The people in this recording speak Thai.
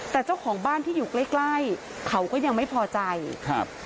แต่เจ้าของบ้านที่อยู่ใกล้ใกล้เขาก็ยังไม่พอใจครับ